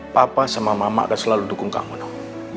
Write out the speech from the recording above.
papa sama mama akan selalu dukung kamu noh